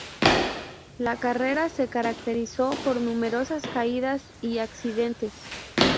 La carrera se caracterizó por numerosas caídas y accidentes.